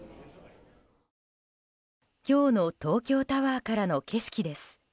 今日の東京タワーからの景色です。